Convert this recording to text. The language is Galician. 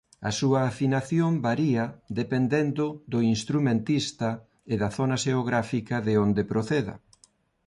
A súa afinación varía dependendo do instrumentista e da zona xeográfica de onde proceda.